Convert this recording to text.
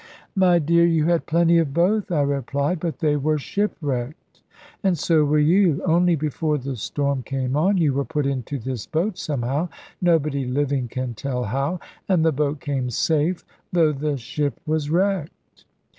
"My dear, you had plenty of both," I replied; "but they were shipwrecked, and so were you. Only before the storm came on, you were put into this boat somehow, nobody living can tell how, and the boat came safe, though the ship was wrecked."